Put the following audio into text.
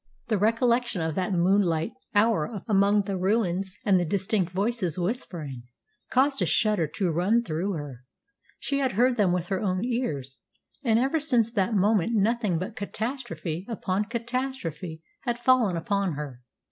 The recollection of that moonlight hour among the ruins, and the distinct voices whispering, caused a shudder to run through her. She had heard them with her own ears, and ever since that moment nothing but catastrophe upon catastrophe had fallen upon her.